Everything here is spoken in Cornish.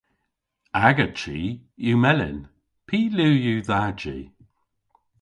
Aga chi yw melyn. Py liw yw dha ji?